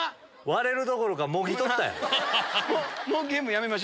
割れるどころかもぎ取ったやん。